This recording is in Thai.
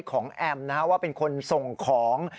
ของแอมนะฮะว่าเป็นคนส่งของ